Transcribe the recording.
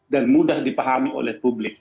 dan mudah dipahami oleh publik